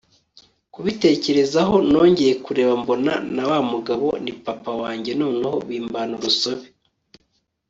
kubitekerezaho, nongeye kureba mbona nawamugabo ni papa wanjye noneho bimbana urusobe